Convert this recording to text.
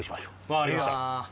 分かりました。